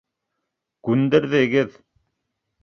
Күндерҙегеҙ.